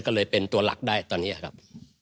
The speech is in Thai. ก็เลยเป็นตัวหลักได้ตอนนี้ครับ